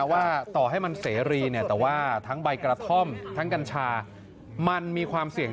ว่าต่อให้มันเสรีเนี่ยแต่ว่าทั้งใบกระท่อมทั้งกัญชามันมีความเสี่ยง